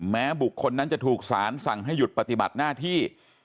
แม้บุคคลนั้นจะถูกสารสั่งให้หยุดปฏิบัติหน้าที่